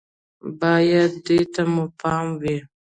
بايد دې ته مو پام وي